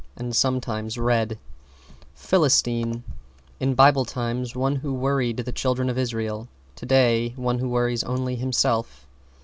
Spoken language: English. And sometimes red. =PHILISTINE= In Bible times, one who worried the children of Israel; today, one who worries only himself.